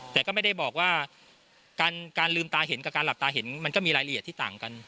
แต่ก็ไม่ได้บอกว่าการลืมตาเห็นกับการหลับตาเห็นมันก็มีรายละเอียดที่ต่างกัน